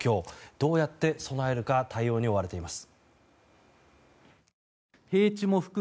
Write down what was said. どうやって備えるか対応に追われています。